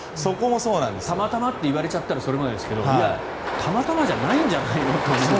たまたまと言われたらそれまでですけどたまたまじゃないんじゃないの？って。